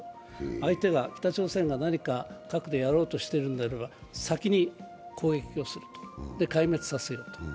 相手が、北朝鮮が何か核でやろうとしているのならば先に攻撃をする、壊滅をさせる。